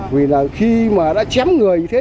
vì là khi mà đã chém người như thế